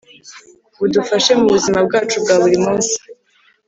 budufashe mu buzima bwacu bwa buri munsi.